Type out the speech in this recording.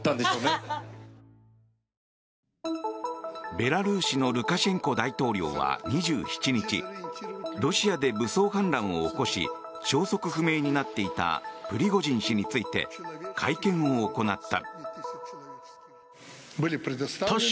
ベラルーシのルカシェンコ大統領は２７日ロシアで武装反乱を起こし消息不明になっていたプリゴジン氏について会見を行った。